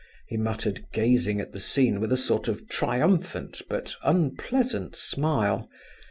he muttered, gazing at the scene with a sort of triumphant but unpleasant smile.